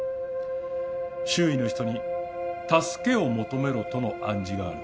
周囲の人に助けを求めろとの暗示がある。